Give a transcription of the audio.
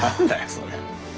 それ。